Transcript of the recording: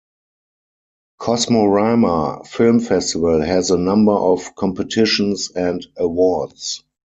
Kosmorama Film Festival has a number of competitions and awards.